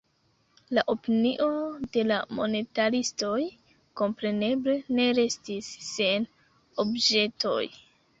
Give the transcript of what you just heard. La opinio de la monetaristoj kompreneble ne restis sen obĵetoj.